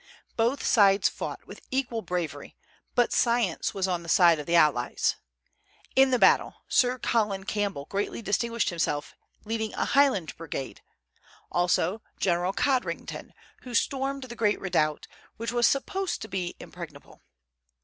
Both sides fought with equal bravery, but science was on the side of the allies. In the battle, Sir Colin Campbell greatly distinguished himself leading a Highland brigade; also General Codrington, who stormed the great redoubt, which was supposed to be impregnable.